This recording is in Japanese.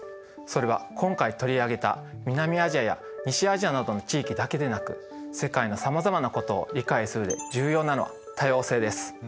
それは今回取り上げた南アジアや西アジアなどの地域だけでなく世界のさまざまなことを理解する上で重要なのは多様性です。